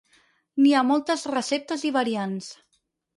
N'hi ha moltes receptes i variants.